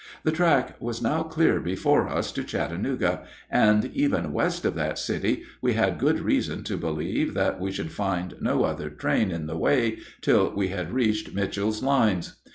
The track was now clear before us to Chattanooga; and even west of that city we had good reason to believe that we should find no other train in the way till we had reached Mitchel's lines.